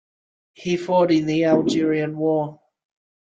He fought in the Algerian War.